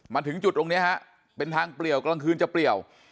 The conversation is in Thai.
มาถึงจุดตรงนี้ฮะเป็นทางเปลี่ยวกลางคืนจะเปลี่ยว